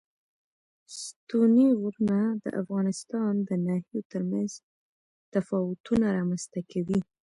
ستوني غرونه د افغانستان د ناحیو ترمنځ تفاوتونه رامنځ ته کوي.